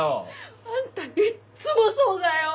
あんたいっつもそうだよ！